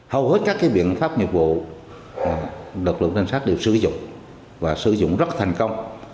hầu hết các biện pháp nghiệp vụ lực lượng cảnh sát đều sử dụng và sử dụng rất thành công